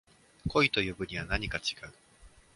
恋と呼ぶにはなにか違う